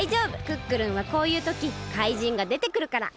クックルンはこういうときかいじんがでてくるから。